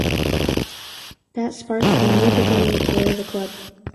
That sparked a new beginning for the club.